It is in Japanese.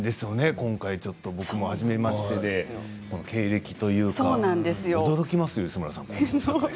今回、僕もはじめましてで経歴というか驚きますよ、磯村さん。